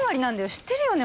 知ってるよね？